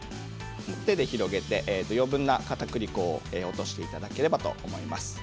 手で広げて余分なかたくり粉を落としていただければと思います。